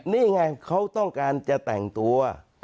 นี่ไงเขาต้องการจะแต่งตัว